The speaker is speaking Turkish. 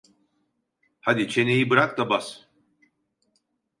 Hadi çeneyi bırak da bas!